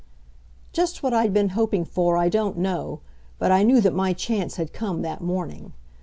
Just what I'd been hoping for I don't know, but I knew that my chance had come that morning.